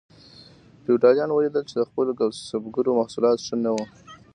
فیوډالانو ولیدل چې د خپلو کسبګرو محصولات ښه نه وو.